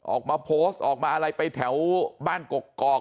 ออกมาโพสต์ออกมาอะไรไปแถวบ้านกกอก